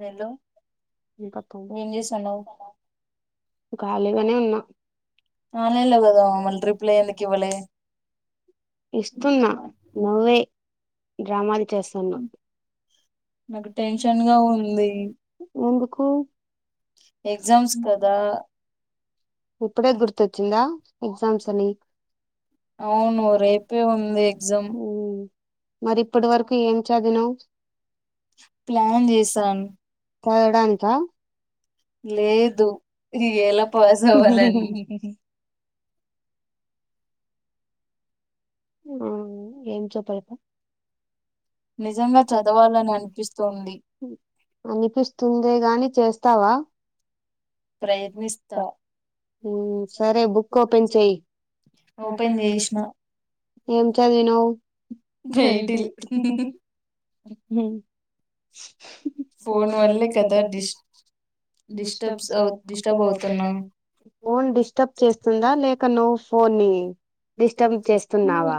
Hello ఇంకా తుమ్ ఏం జేస్తవుండవు? ఖాళీగానే ఉన్నా ఆన్లైన్ ల కదా మరి డ్రిప్ ల ఎందుకు పోలే ఇస్తున్న నువ్వే డ్రామాలు చేస్తానవు. నకు టెన్షన్ గా ఉంది. ఎగ్జామ్స్ కదా ఇప్పుడే గుర్తొచ్చిందా? ఎగ్జామ్స్ అని అవును రేపే ఉంది ఎగ్జామ్ ఈ మరి ఇప్పుటి వరకు ఏం చదివినవు చదవడానిక లేదు ఏలా పాస్ అవ్వాలని అవునా ఏం ఏం చెప్పలేదా నిజంగా చదవాలని అనిపిస్తోంది. అనిపిస్తుందే గాని చేస్తావా? ప్రయత్నిస్తా ఉమ్ సరే బుక్ ఓపెన్ చేయ్యి ఎమ్ చవివినవ్ ఫోన్ వల్లో పెద్ద డిస్టర్బ్ డిస్టర్బ్ సో డిస్టబ్ అవుతున్న డిస్టర్బింగ్ చేస్తున్నావా?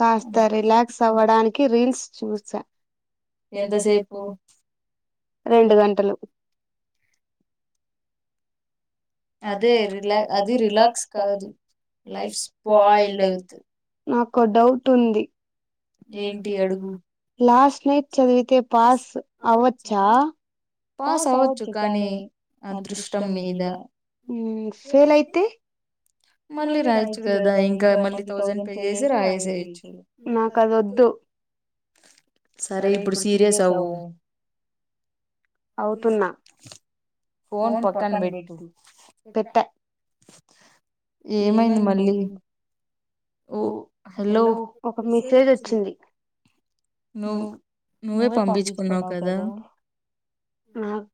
కాస్త రిలాక్స్ అవ్వడానికి రీల్స్ చూసా ఎంతసేపు రెండు గంటలు అదే రిలా అది రిలాక్స్ కాది లైఫ్ స్పాయిల్ అవు నాకు డౌట్ ఉంది ఏంటి అడుగు లాస్ట్ నైట్ చదివితే పాస్ అవవచ్చా పాస్ ఆవచ్చ కానీ అదృష్టం మీదా ఉ ఫేల్ అయితే మళ్ళీ రాయొచ్చు కదా ఇంకా మళ్ళీ థౌసండ్ పే చేసి రాయసేయచ్చు సరే ఇప్పుడు సీరియస్ అవ్వు అనుకున్న ఫోన్ పక్కన బేట్టు ఏమైంది మళ్ళీ ఓ హలో నువ నువ్వే పంపించుకున్నావు కదా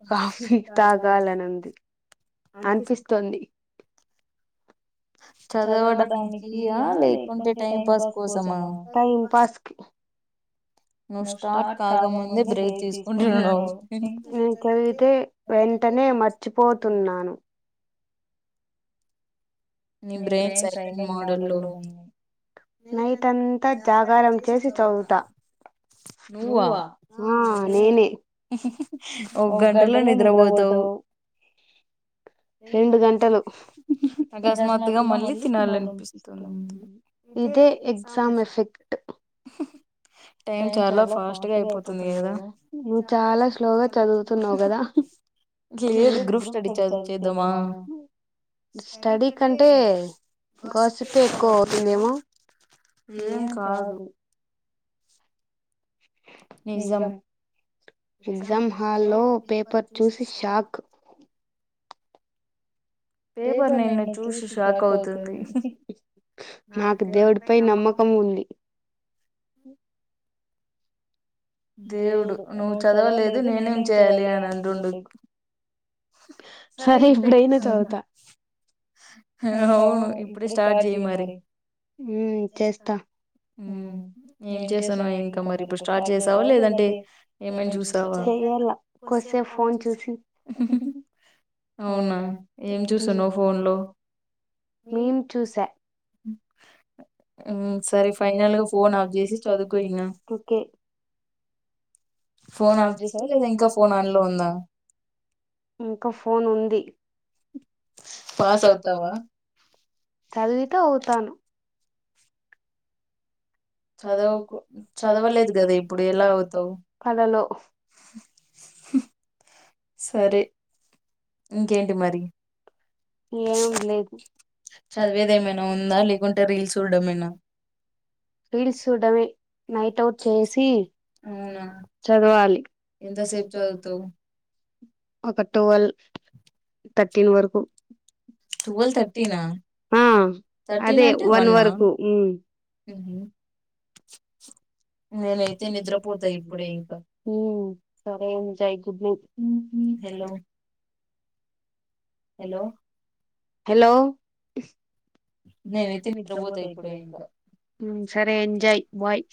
[unintelligible] అనిపిస్తోంది చదవడానికి ఆ లేకుంటే టైం పాస్ కోసమా నువ్వు స్టార్ట్ కాకముందే బ్రేక్ తీసుకుంటున్నావు న చదివితే వెంటనే నే మర్చిపోతున్నాను నీ బ్రెయిన్ సైలెంట్ మోడల్లో ఉంది నైటంతా జాగారం చేసి చదువుతా నువ్వ ఆ నేనే ఒక గంటలో నిద్ర పోతావు రెండు గంటలు ఈరోజు గాకుగా మళ్ళీ తినాలనిపిస్తామడి ఇదే ఎగ్జామ్ ఎఫెక్ట్ టైం చాలా ఫాస్ట్ గా అయిపోతుంది కదా నువ్వు చాలా స్లోగా చదువుతున్నావ్ కదా ఏడు గ్రూప్ స్టడీ స చేద్దమా స్టడీ కంటే గోసప్పే ఎక్కువ అవుతుందేమో ఏం కాదు నిజం ఎగ్జామ్ హాల్లో పేపర్ చూసి షాక్ పేపర్ నిన్ను చూసి షాక్ అవుతుంది నాకు దేవుడిపై నమ్మకం ఉంది దేవుడు నువ్వు చదవలేదు నేనేం చేయాలి అని అంటుండు సరే ఇప్పుడైనా చదువుత అవు ఇప్పుడు స్టార్ట్ చేయ మరి హ్మ్ చేస్తా ఏం చేసాను ఇంకా మరి ఇప్పుడు స్టార్ట్ చేసావు లేదంటే ఏమని చూసావా చేయ్యాల కొసేపు ఫోన్ చూసి అవునా ఏం చూస్తున్నావ్ ఫోన్ లో ఎం చూసా సరే సరే లే పోన్ అపచేసి చదువుకో ఇంకా కే ఫోన్ ఆఫ్ చేసావా లేదా ఇంకా ఫోన్ ఆన్ లో ఉందా ఇంకా ఫోన్ ఉంది పాస్ అవుతావా చదివితే అవుతాను చదవు చదవలేదు కదా ఇప్పుడు ఎలా అవుతావు సరే ఇంకేంటి మరి ఏం లేదు చదివేది ఏమైనా ఉందా లేకుంటేరిగి రీల్స్ చూడడంమేనా రీల్స్ చూడ్డమే నైట్ అవుట్ చేసి అవునా చదవాలి ఎంతసేపు చదువుతావు ఒక ట్వోవెల్ థర్టీన్ వరకు ట్వల్వ్ థర్టీన్ నా ఆ అదే వన్ వరకు హుహు నేనైతేనిద్ర పోతా ఇప్పుడే ఇంకా సరే enjoy good night hello hello hello నేనైతే నిద్రపోతాయి ఇంకా సరే ఎంజాయ్ బాయ్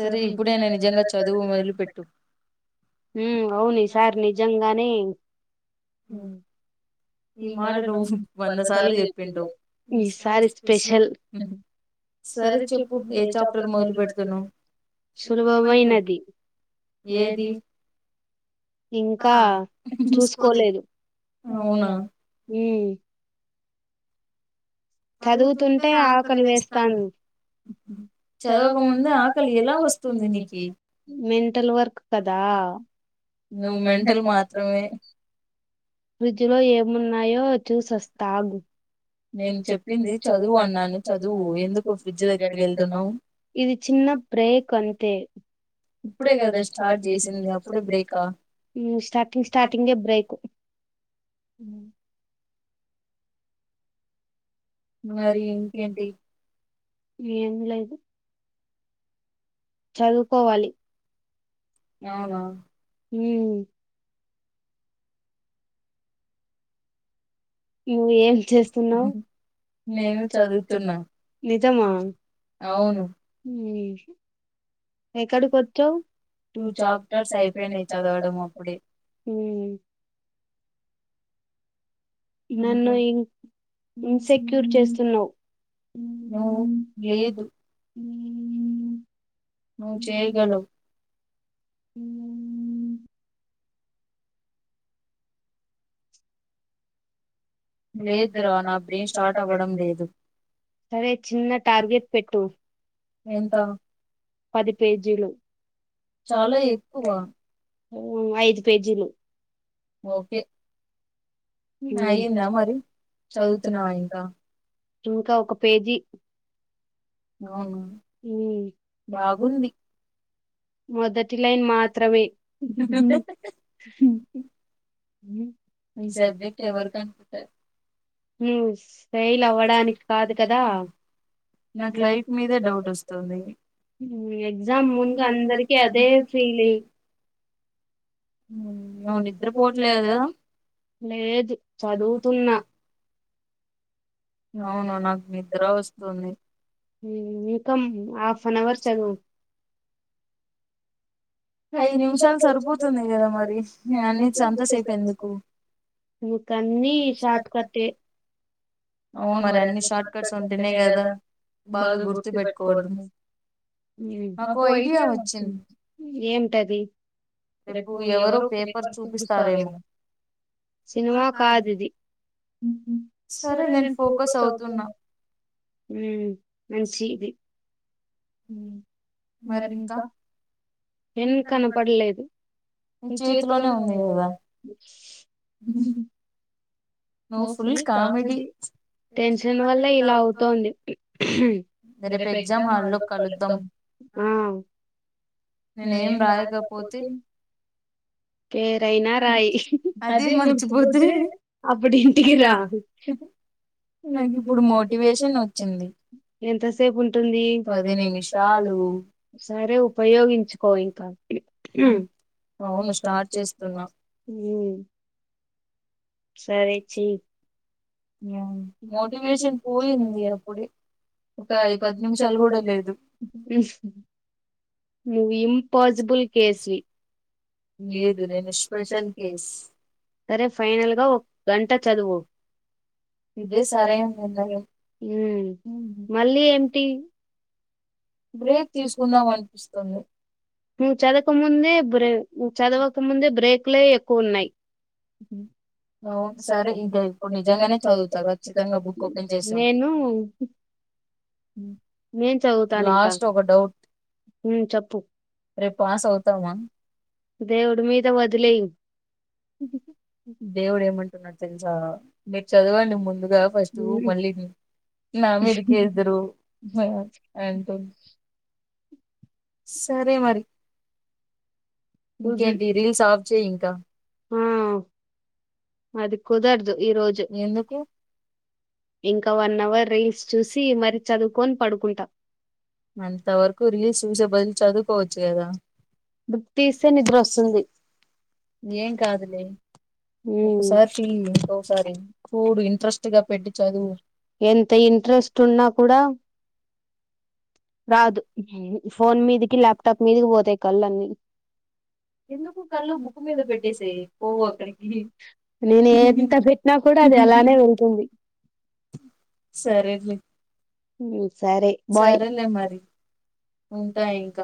సరే ఇంటికి పోయినంక చేస్తా హు అవును ఈ సారి నిజంగానే ఈ మాట నువ్వు వందసార్లు చెప్పింటవ్ ఈ సారి స్పెషల్ సరే చెప్పు ఏ చాప్టర్ మొదలు పెడుతున్నావ్ సులభమైనది ఏది ఇంకా చూసుకోలేదు అవునా చదువుతుంటే ఆకలి వేస్తాన్ చదవకముందు ఆకలి ఎలా వస్తుంది మీకు మెంటల్ వర్క్ కదా నువ్వు మెంటల్ మాత్రమే ఫ్రిడ్జ్ లో ఏమున్నాయో చూసొస్తా ఆగు నేను చెప్పింది చదువు అన్నాను చదువు ఎందుకు జరుగితున్నావు ఇది చిన్న బ్రేక్ అంతే ఇప్పుడే కదా స్టార్ట్ చేసింది అప్పుడే బ్రేకా స్టార్టింగ్ స్టార్టింగే బ్రేక్ ఉ మరి ఇంకేంటి ఏమీ లేదు చదువుకోవాలి అవునా ఇంగా ఏం చేస్తున్నావు నేను చదువుతున్నాను నిజమా అవును ఎక్కడికి వచ్చావు టూ చాప్టర్స్ అయిపోయినాయి చదవడం నన్ను ఇంన్ ఇన్ సెక్యూర్ చేస్తున్నావ్ లేదు నువ్వు చేయగలవు లేదు రా నా ఫేషాట్ అవడం లేదు సరే చిన్న టార్గెట్ పెట్టు ఎంత పది పేజీలు చాలా ఎక్కువ ఐదు పేజీలు ఓకే అయ్యిందా మరి చదువుతున్నావా ఇంకా ఇంకా ఒక పేజీ అవునా బాగుంది మొదటి లైన్ మాత్రమే ఈ సబ్జెక్ట్ ఎవరికన్నా ఉంటది సెల్ అవ్వడానికి కాదు కదా నాకు లైఫ్ మీద డౌట్ వస్తది ఎగ్జామ్ ముందు అందరికిీ అదే ఫీలింగ్ ఎంత పోడలేద లేదు చదువుతున్నా నాకు నిద్ర వస్తుంది ఇంకా హాఫ్ అన్ అవర్ చదువు [inaudible] ఐదు నిమిషాలు చదువుతున్న కదా మరి నేను అన్ని చదివి పెట్టాను నీకన్నీ షార్ట్ కట్టే అవును మరి అంత షార్ట్కట్ ఉంటేనే కదా బాగా గుర్తు పెట్టుకోగలం ఈ నాకో ఐడియా వచ్చింది ఏంటది రేపు ఎవరో పేపర్ చూపిస్తారేమో సినిమా కాదిది సరే నేను ఫోతూ చదువుతున్నా ఉ మంచి ది ఊ మరింకా పెన్ కనపడలేదు మీ చేతిలోనే ఉన్నాయి గా స్ హు హు హు నువ్ ఫుల్ కామెడీ స్ టన్షన్ వల్ల ఇలా అవుతోంది రేపు ఎగ్జామ్ హాల్లో కలుద్దాం ఆ నేనేం రాయకపోతే పేరైనా రాయి ఇహ్ హి అదే [unintelligible] అప్పుడింటికి రా మంచి ఇద్దడు మోటివేషన్ నచ్చంది ఎంతసేపు ఉంటుంది పదిహేను నిమిషాలు సరే ఉపయోగించుకో ఇంకా ఊ ఆ చేస్తున్నా ఉమ్మ్మ్ సరే చెయ్ మోటివేషన్ పోయింది అప్పుడు ఒక ఐదు పది నిమిషాలు కూడా లేదు ఉహ్ హు ఇంపాజిబుల్ కేసు లేదులే స్పెషల్ కేస్ సరే ఫైనల్గా ఓ గంట చదువు ఇదే సరైన నిర్ణయం ఉమ్మ్మ్ మళ్ళీ ఏంటీ బ్రేక్ తీసుకుందాం అనిపిస్తుంది నువ్వు చదవకముందే బ్రే చదవక ముందే బ్రేక్లే ఎక్కువున్నాయ్ నేనూ నేన్ చదువుతాను హాస్పిటల్లో ఊ చెప్పు రేప్ పాస్ అవుతానా దేవుడి మీద వదిలేయి ఇది దేవుడెందుకున్నడు తెల్సా మీకు చదవండి ముందుగా నా వెనకే ఇద్దరు నేనూ [unintelligible] సరే మరి ఇంకేంటి [unintelligible] ఆఫ్ చెయ్ ఇంక అది కుదరదు ఈ రోజు ఇంక వన్ అవర్ రీల్స్ చూసి మరి చదువుకొని పడుకుంటా మరింతవరకు రీల్స్ చూసే బదులు చేసుకోవచ్చు గదా తీస్తే నిద్రొస్తుంది ఎంతై ఇంట్రెస్ట్ ఉన్నా కూడా రాదు ఫోన్ మీదికి ల్యాప్టాప్ మీదకి పోతై కళ్ళున్నీ ఎందుకు కళ్ళు బుక్ పైన పెట్టేసేయ్ నీ పోవ్ ఎక్కడికి. నేను ఎంత పెట్టినా కూ అది అలానే ఉంటుంది సరేలె సరేలే మరి ఉంటా ఇంక